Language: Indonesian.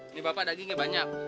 ini bapak dagingnya banyak